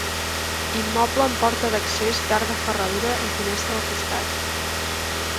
Immoble amb porta d'accés d'arc de ferradura i finestra al costat.